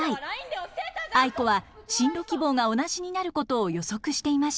アイコは進路希望が同じになることを予測していました。